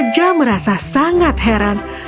dia merasa sangat heran